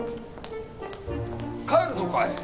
帰るのかい？